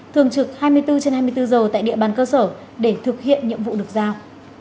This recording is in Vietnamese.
thường trực hai mươi bốn trên hai mươi bốn giờ tại địa bàn cơ sở để thực hiện nhiệm vụ được giao